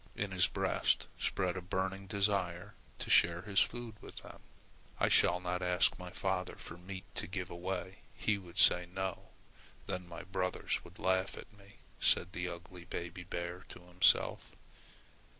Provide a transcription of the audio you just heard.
In his breast spread a burning desire to share his food with them. "I shall not ask my father for meat to give away. He would say 'No!' Then my brothers would laugh at me," said the ugly baby bear to himself.